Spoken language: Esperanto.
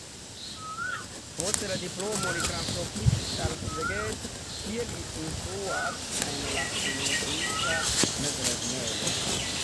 Post la diplomo li translokiĝis al Szeged, kie li instruas en la menciita mezlernejo.